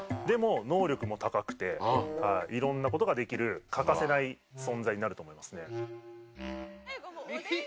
でも能力も高くて色んな事ができる欠かせない存在になると思いますね。